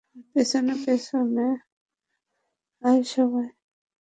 আমার পেছন পেছন আয় সবাই।